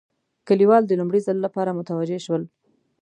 کلیوال د لومړي ځل لپاره متوجه شول.